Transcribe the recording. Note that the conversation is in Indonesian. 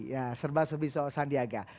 ya serba serbiswa sandiaga